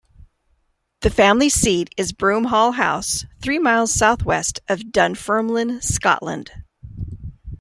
The family seat is Broomhall House, three miles south-west of Dunfermline, Scotland.